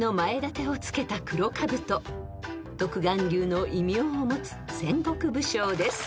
［独眼竜の異名を持つ戦国武将です］